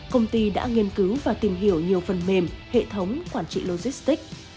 công ty đã nghiên cứu và tìm hiểu nhiều phần mềm hệ thống quản trị logistics